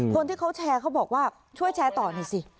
คนที่เขาแชร์เขาบอกว่าช่วยแชร์ต่อหน่อยสิ